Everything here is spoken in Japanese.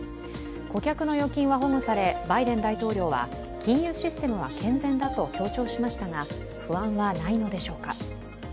顧客の預金は保護され、バイデン大統領は金融システムは健全だと強調しましたが不安はないのでしょうか。